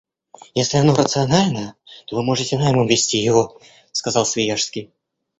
Если оно рационально, то вы можете наймом вести его, — сказал Свияжский.